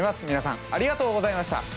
みなさんありがとうございました。